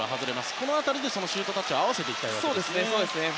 この辺りでシュートタッチを合わせていきたいですね。